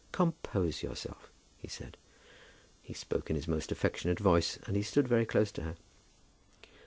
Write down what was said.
"Compose yourself," he said. He spoke in his most affectionate voice, and he stood very close to her.